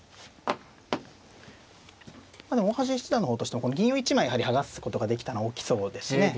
大橋七段の方としてもこの銀を１枚剥がすことができたのは大きそうですね。